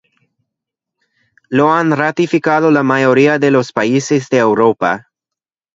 Lo han ratificado la mayoría de los países de Europa.